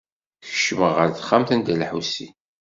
Kecmeɣ ɣer texxamt n Dda Lḥusin.